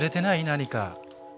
何か。